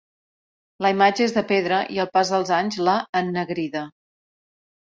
La imatge és de pedra, i el pas dels anys l'ha ennegrida.